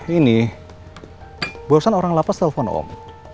ini barusan orang lapas telpon om